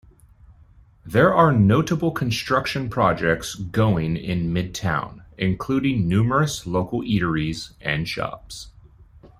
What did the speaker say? There are notable construction projects going in Midtown, including numerous local eateries and shops.